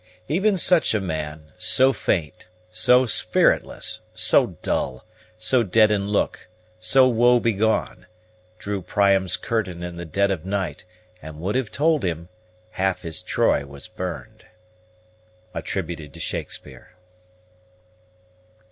Even such a man, so faint, so spiritless, So dull, so dead in look, so woe begone, Drew Priam's Curtain in the dead of night, And would have told him, half his Troy was burned. SHAKESPEARE.